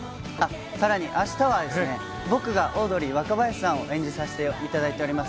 さらにあしたは、僕がオードリー・若林さんを演じさせていただいております、